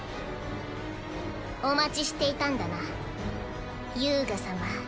お待ちしていたんだナユウガ様。